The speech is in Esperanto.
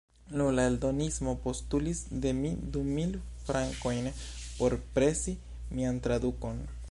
Nu, la eldonisto postulis de mi du mil frankojn por presi mian tradukon.